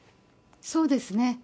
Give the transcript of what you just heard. そうですね。